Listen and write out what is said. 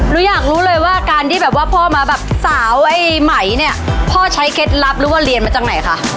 หนูอยากรู้เลยว่าการที่แบบว่าพ่อมาแบบสาวไอ้ไหมเนี่ยพ่อใช้เคล็ดลับหรือว่าเรียนมาจากไหนคะ